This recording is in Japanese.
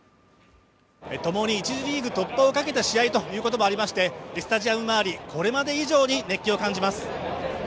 ともに１次リーグ突破をかけた試合ということもありまして、スタジアム周り、これまで以上に熱気を感じます。